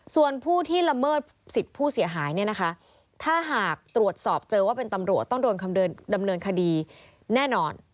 ส่วนผู้ที่ละเมิดสิทธิ์ผู้เสียหายเนี่ยนะคะถ้าหากตรวจสอบเจอว่าเป็นตำรวจต้องโดนดำเนินคดีแน่นอน